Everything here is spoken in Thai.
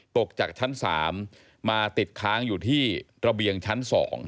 ตกจากชั้น๓มาติดค้างอยู่ที่ระเบียงชั้น๒